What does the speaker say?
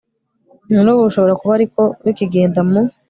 na n'ubu bishobora kuba ari ko bikigenda mu